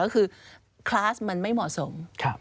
ก็คือคลาสมันไม่เหมาะสม